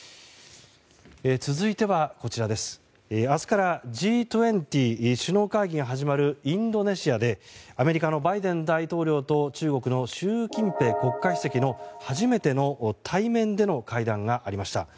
続いては、明日からＧ２０首脳会議が始まるインドネシアでアメリカのバイデン大統領と中国の習近平国家主席の初めての対面での会談がありました。